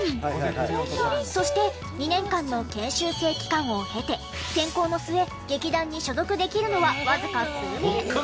そして２年間の研修生期間を経て選考の末劇団に所属できるのはわずか数名。